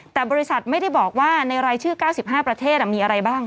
แต่บริษัทไม่ได้บอกว่าในรายชื่อ๙๕ประเทศมีอะไรบ้าง